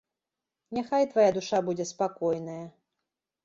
Няхай твая душа будзе спакойная.